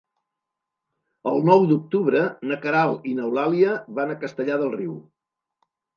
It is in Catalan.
El nou d'octubre na Queralt i n'Eulàlia van a Castellar del Riu.